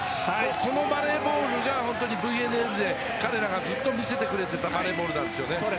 このバレーボールが、ＶＮＬで彼らがずっと見せてくれていたバレーボールですね。